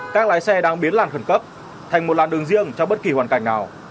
các lái xe đang biến làn khẩn cấp thành một làn đường riêng cho bất kỳ hoàn cảnh nào